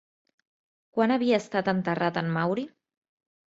Quan havia estat enterrat en Mauri?